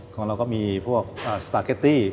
ของเราก็มีพวกสปาเกตตี้